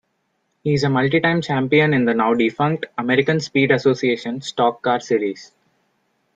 He is a multi-time champion in the now-defunct American Speed Association stock car series.